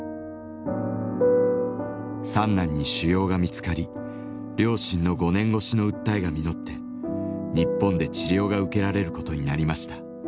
三男に腫瘍が見つかり両親の５年越しの訴えが実って日本で治療が受けられることになりました。